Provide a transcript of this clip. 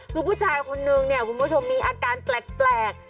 คือผู้ชายคนนึงเนี่ยคุณผู้ชมมีอาการแปลก